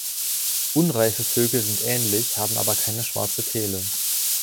Unreife Vögel sind ähnlich, haben aber keine schwarze Kehle.